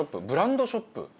ブランドショップ？